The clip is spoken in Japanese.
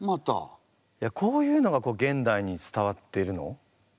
こういうのが現代に伝わってるの？